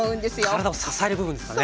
体を支える部分ですからね。